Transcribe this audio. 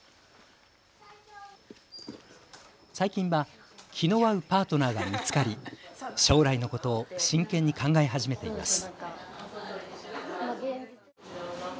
最近は気の合うパートナーが見つかり、将来のことを真剣に考え始めています。